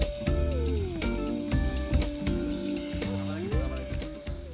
diperlukan oleh pemerintah indonesia